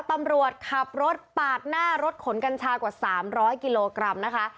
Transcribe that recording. ตำรวจขับรถปาดหน้ารถขนกัญชากว่า๓๐๐กิโลกรัมนะคะ